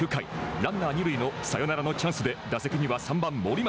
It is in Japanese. ランナー二塁のサヨナラのチャンスで打席には３番森松。